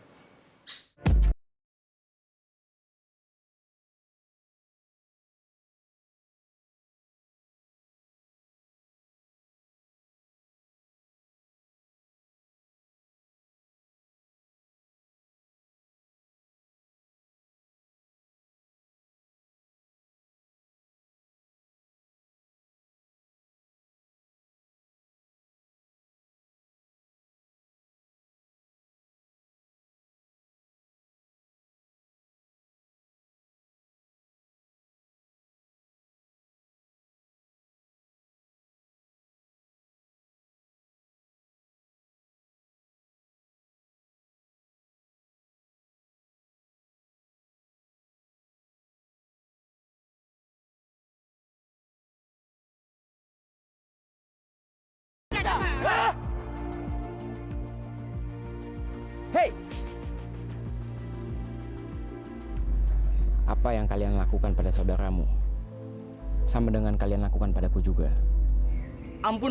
hai hai hai apa yang kalian lakukan pada saudaramu sama dengan kalian lakukan padaku juga ampun